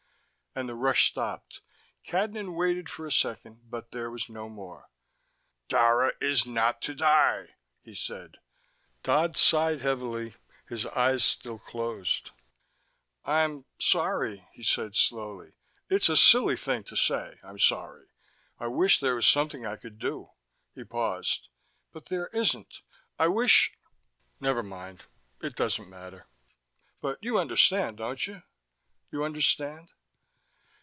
And the rush stopped. Cadnan waited for a second, but there was no more. "Dara is not to die," he said. Dodd sighed heavily, his eyes still closed. "I'm sorry," he said slowly. "It's a silly thing to say: I'm sorry. I wish there was something I could do." He paused. "But there isn't. I wish never mind. It doesn't matter. But you understand, don't you? You understand?"